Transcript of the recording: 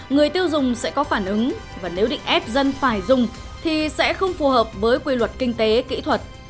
người tiêu dùng sẽ có phản ứng và nếu định ép dân phải dùng thì sẽ không phù hợp với quy luật kinh tế kỹ thuật